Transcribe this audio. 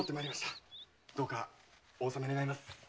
どうかお納め願います。